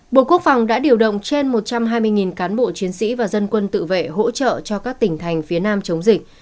bộ quốc phòng đã điều động trên một trăm hai mươi cán bộ chiến sĩ và dân quân tự vệ hỗ trợ cho các tỉnh thành phía nam chống dịch